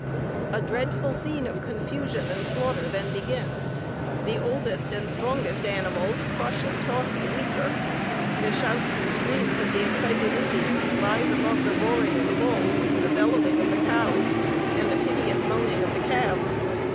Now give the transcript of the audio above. "A dreadful scene of confusion and slaughter then begins; the oldest and strongest animals crush and toss the weaker; the shouts and screams of the excited Indians rise above the roaring of the bulls, the bellowing of the cows, and the piteous moaning of the calves.